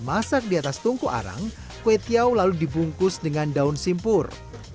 masak di atas tungku arang kue tiau lalu dibungkus dengan daun simpur